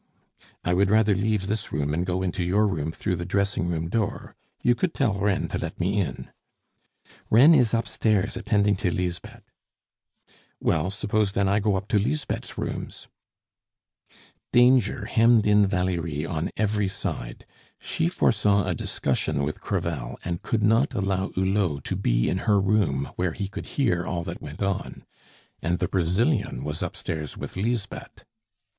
"I would rather leave this room and go into your room through the dressing room door. You could tell Reine to let me in." "Reine is upstairs attending to Lisbeth." "Well, suppose then I go up to Lisbeth's rooms?" Danger hemmed in Valerie on every side; she foresaw a discussion with Crevel, and could not allow Hulot to be in her room, where he could hear all that went on. And the Brazilian was upstairs with Lisbeth.